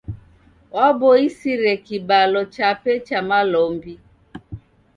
Waboisire kibalo chape cha malombi.